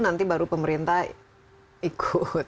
nanti baru pemerintah ikut